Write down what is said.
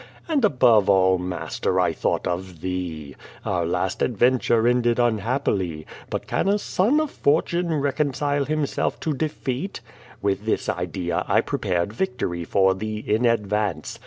And, above all, master, I thought of thee. Our last adven ture ended unhappily. But can a son of Fortune reconcile himself to defeat? With this idea I prepared victory for thee in advance.